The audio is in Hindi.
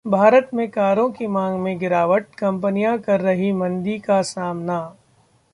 भारत में कारों की मांग में गिरावट, कंपनियां कर रहीं मंदी का सामना